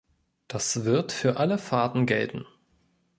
Das wird für alle Fahrten gelten.